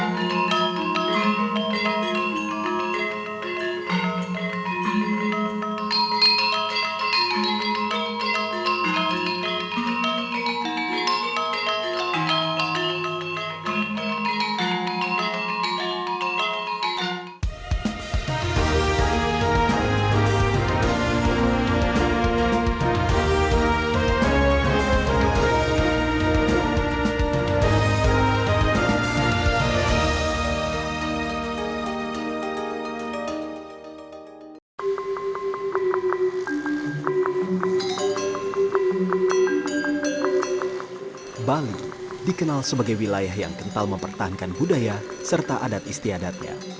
balai dikenal sebagai wilayah yang kental mempertahankan budaya serta adat istiadatnya